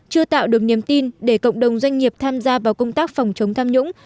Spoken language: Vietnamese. chưa tạo được niềm tin để cộng đồng doanh nghiệp tham gia vào công tác phòng chống tham nhũng